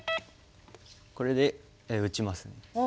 これで打ちます。